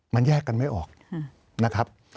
มันแยกกันไม่ออกนะครับ